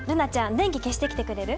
電気消してきてくれる？